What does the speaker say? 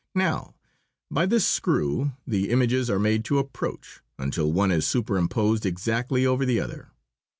Now! By this screw the images are made to approach, until one is superimposed exactly over the other.